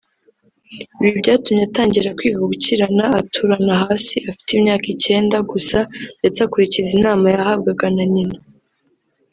ibi byatumye atangira kwiga gukirana aturana hasi afite imyaka icyenda gusa ndetse akurikiza inama yahabwaga na nyina